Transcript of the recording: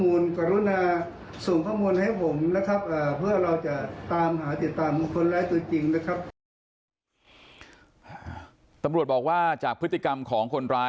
ผมตัวจริงอยู่ที่นี่นะครับแล้วก็ถ้าใครมีข้อมูลก็รุณา